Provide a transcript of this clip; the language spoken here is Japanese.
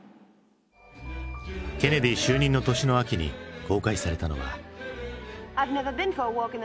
ケネディ就任の年の秋に公開されたのは。